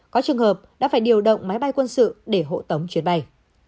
có trường hợp đã phải điều động máy bay quân sự để hộ tống chuyến bay